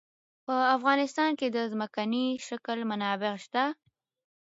په افغانستان کې د ځمکنی شکل منابع شته.